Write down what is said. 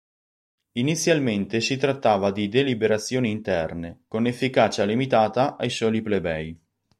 Inizialmente si trattava di deliberazioni interne, con efficacia limitata ai soli plebei.